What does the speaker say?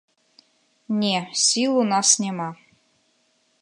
Не, сіл у нас няма.